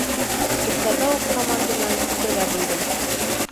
Иртәгә үк команда менән китергә булдым.